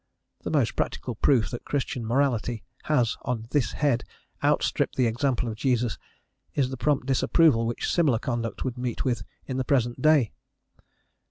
The most practical proof that Christian morality has, on this head, outstripped the example of Jesus, is the prompt disapproval which similar conduct would meet with in the present day.